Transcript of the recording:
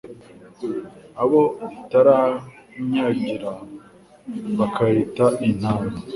Abo itaranyagira Bakayita intama.